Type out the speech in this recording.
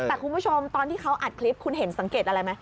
แต่คุณผู้ชมตอนที่เขาอัดคลิปคุณเห็นสังเกตอะไรไหม